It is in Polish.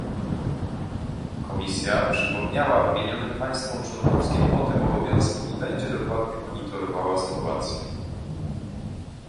Komisja przypomniała wymienionym państwom członkowskim o tym obowiązku i będzie dokładnie monitorowała sytuację